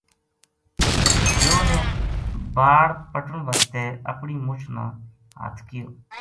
دیو نے باڑ پٹن بسطے اپنی مُچھ نا ہتھ کیو